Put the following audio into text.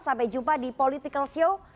sampai jumpa di political show